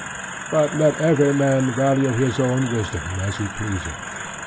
But let every man value his own wisdom, as he pleaseth.